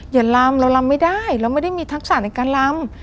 อย่าลำเราลำไม่ได้เราไม่ได้มีทักษะในการลำ